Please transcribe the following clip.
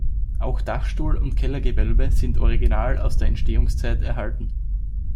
Auch Dachstuhl und Kellergewölbe sind original aus der Entstehungszeit erhalten.